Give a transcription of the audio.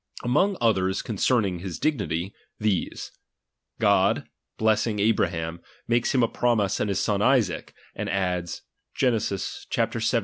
Among others concerning his dignity, these. God, blessing Abraham, makes him a promise of his son Isaac ; and adds (Gen. xvii.